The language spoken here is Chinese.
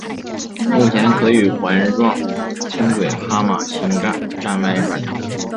目前可与环状轻轨哈玛星站站外转乘。